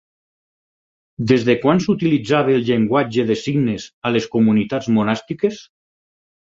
Des de quan s'utilitzava el llenguatge de signes a les comunitats monàstiques?